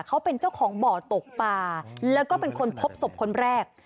เขาเป็นเจ้าของบ่อตกปลาแล้วก็เป็นคนพบศพคนแรก